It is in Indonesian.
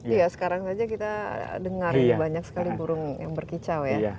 iya sekarang saja kita dengar banyak sekali burung yang berkicau ya